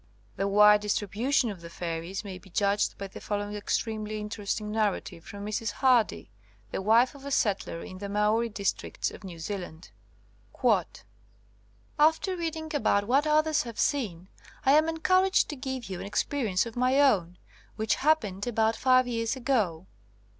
The wide distribution of the fairies may be judged by the following extremely inter esting narrative from Mrs. Hardy, the wife of a settler in the Maori districts of New Zealand :*' After reading about what others have seen I am encouraged to give you an experi ence of my own, which happened about five years ago.